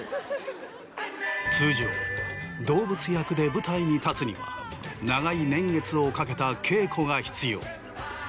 通常動物役で舞台に立つには長い年月をかけた稽古が必要。